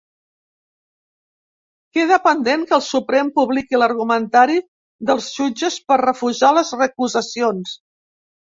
Queda pendent que el Suprem publiqui l’argumentari dels jutges per refusar les recusacions.